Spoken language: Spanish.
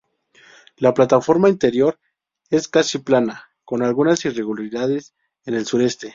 La plataforma interior es casi plana, con algunas irregularidades en el sureste.